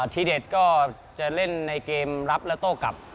ทีเด็ดก็จะเล่นในเกมรับและโต้กลับ